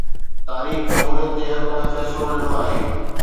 تاريخ جمهوريت جي حق ۾ فيصلو ڏنو آهي.